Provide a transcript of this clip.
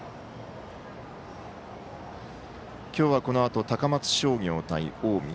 今日はこのあと、高松商業対近江。